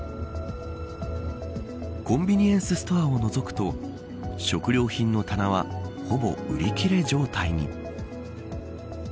コンビニエンスストアをのぞくと食料品の棚はほぼ売り切れ状態に。